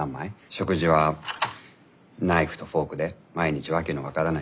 食事はナイフとフォークで毎日訳の分からないフレンチ。